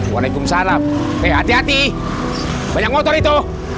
waalaikumsalam eh hati hati banyak motor itu